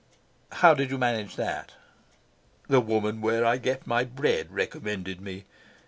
"How did you manage that?" "The woman where I get my bread recommended me.